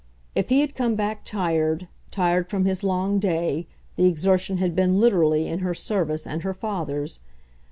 If he had come back tired, tired from his long day, the exertion had been, literally, in her service and her father's.